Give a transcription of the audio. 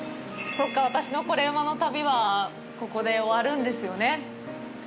そっか、私の「コレうまの旅」はこれで終わるんですよね。